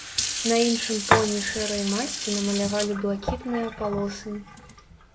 На іншым поні шэрай масці намалявалі блакітныя палосы.